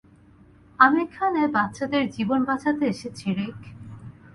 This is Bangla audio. আমি এখানে বাচ্চাদের জীবন বাঁচাতে এসেছি, রিক।